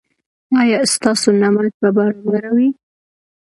ایا ستاسو نمک به برابر وي؟